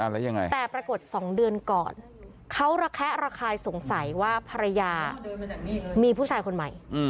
แล้วยังไงแต่ปรากฏ๒เดือนก่อนเขาระแคะระคายสงสัยว่าภรรยามีผู้ชายคนใหม่